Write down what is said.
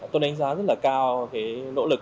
tôi đánh giá rất là cao cái nỗ lực